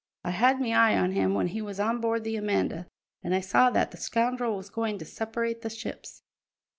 I had me eye on him when he was on board the Amanda, an' I saw that the scoundrel was goin' to separate the ships."